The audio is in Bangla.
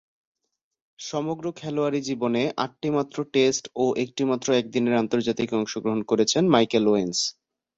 সমগ্র খেলোয়াড়ী জীবনে আটটিমাত্র টেস্ট ও একটিমাত্র একদিনের আন্তর্জাতিকে অংশগ্রহণ করেছেন মাইকেল ওয়েন্স।